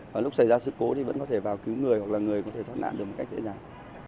và lúc xảy ra sự cố thì vẫn có thể vào cứu người hoặc là người có thể thoát nạn được một cách dễ dàng